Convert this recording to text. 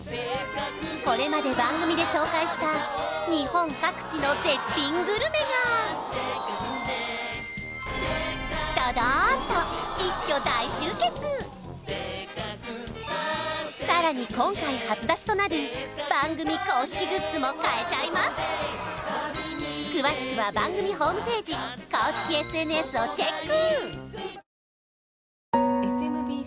これまで番組で紹介した日本各地の絶品グルメがドドンと一挙大集結さらに今回初出しとなる番組公式グッズも買えちゃいます詳しくは番組ホームページ公式ＳＮＳをチェック